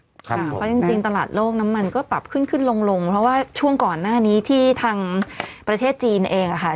เพราะจริงตลาดโลกน้ำมันก็ปรับขึ้นขึ้นลงลงเพราะว่าช่วงก่อนหน้านี้ที่ทางประเทศจีนเองอะค่ะ